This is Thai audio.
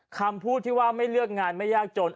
คำพูดที่ว่าไม่เลือกงานไม่ยากจน